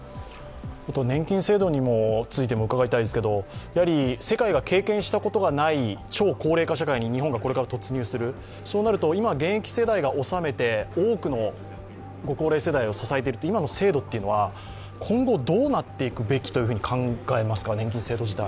年金制度についても伺いたいんですけれども、やはり世界が経験したことのない超高齢化社会に日本がこれから突入する、こうなると今現役世代が納めて、多くのご高齢世代を支えている今の制度というのは今後どうなっていくべきと考えますか、年金制度自体。